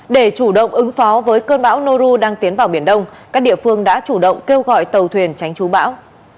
để chủ động ứng phó với cơn bão noru đang tiến vào biển đông các địa phương đã chủ động kêu gọi tàu thuyền tránh chú bão